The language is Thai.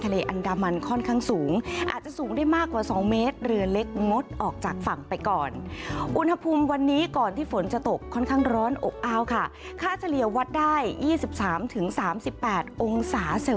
วันได้๒๓๓๘องศาเซลเซียส